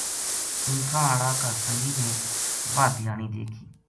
اونٹھاں ہاڑا کا سنگی نے واہ دھیانی دیکھی